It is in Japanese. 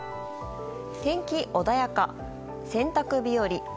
天気穏やか、洗濯日和。